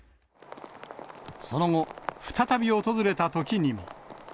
その後、再び訪れたときにも。